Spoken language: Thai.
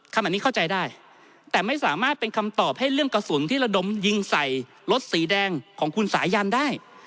อันนี้เข้าใจได้แต่ไม่สามารถเป็นคำตอบให้เรื่องกระสุนที่ระดมยิงใส่รถสีแดงของคุณสายันได้